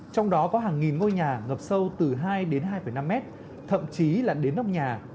trong đó có hàng nghìn ngôi nhà ngập sâu từ hai đến hai năm mét thậm chí là đến nóc nhà